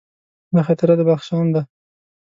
دا خاطره د بدخشان ده.